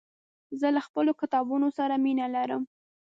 زه له خپلو کتابونو سره مينه لرم.